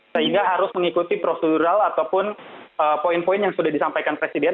sehingga harus mengikuti prosedural ataupun poin poin yang sudah disampaikan presiden